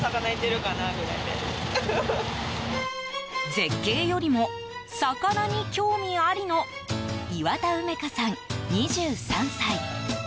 絶景よりも魚に興味ありの岩田梅佳さん、２３歳。